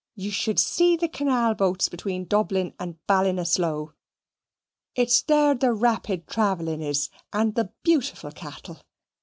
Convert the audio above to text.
Ye should see the kenal boats between Dublin and Ballinasloe. It's there the rapid travelling is; and the beautiful cattle.